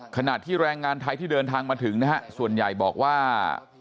ขณะที่แรงงานไทยที่เดินทางมาถึงนะฮะส่วนใหญ่บอกว่า